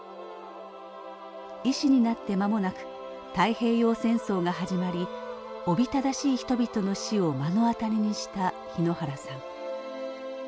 医師になって間もなく太平洋戦争が始まりおびただしい人々の死を目の当たりにした日野原さん。